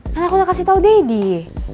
karena aku udah kasih tau deddy